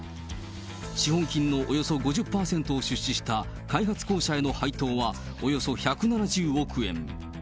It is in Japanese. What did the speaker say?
資本金のおよそ５０％を出資した開発公社への配当はおよそ１７０億円。